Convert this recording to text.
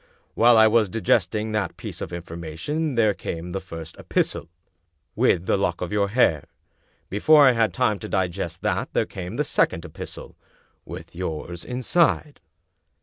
While I was digesting that piece of information there came the first epistle, with the lock 297 English Mystery Stories of your hair. Before I had time to digest that there came the second epistle, with yours inside."